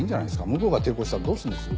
向こうが抵抗したらどうするんです？